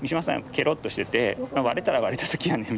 ケロッとしてて「割れたら割れた時やねん」